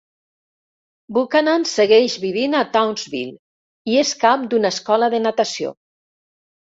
Buchanan segueix vivint a Townsville i és cap d'una escola de natació.